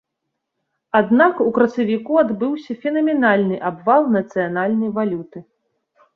Аднак у красавіку адбыўся фенаменальны абвал нацыянальнай валюты.